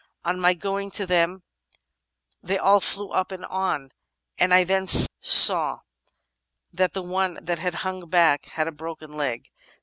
On my going to them they aU flew up and on, and I then saw that the one that had hung back had a broken leg.